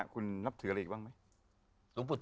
คุณนับถืออะไรอีกบ้างไหม